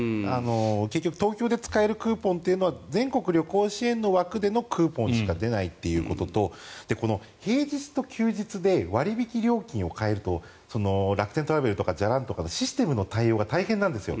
結局、東京で使えるクーポンというのは全国旅行支援での枠でのクーポンしか出ないということと平日と休日で割引料金を変えると楽天トラベルとか「じゃらん」とかのシステムの対応が大変なんですよ。